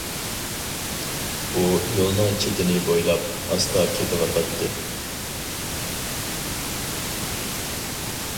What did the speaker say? ئۇ يولنىڭ چېتىنى بويلاپ ئاستا كېتىۋاتاتتى.